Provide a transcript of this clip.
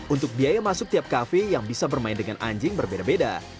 untuk biaya masuk tiap kafe yang bisa bermain dengan anjing berbeda beda